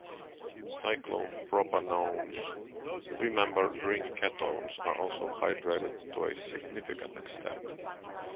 Cyclopropanones- three-membered ring ketones- are also hydrated to a significant extent.